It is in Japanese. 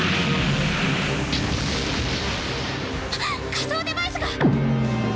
仮想デバイスが！